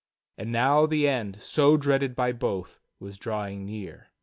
And now the end, so dreaded by both, was drawing near.